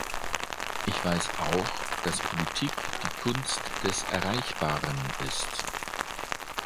Ich weiß auch, dass Politik die Kunst des Erreichbaren ist.